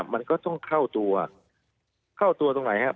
มันก็ต้องเข้าตัวเข้าตัวตรงไหนครับ